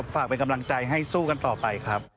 ฝากเป็นกำลังใจให้สู้กันต่อไปครับ